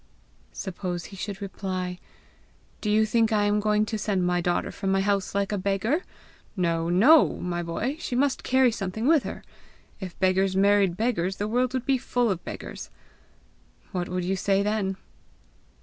'" "Suppose he should reply,' Do you think I am going to send my daughter from my house like a beggar? No, no, my boy! she must carry something with her! If beggars married beggars, the world would be full of beggars!' what would you say then?"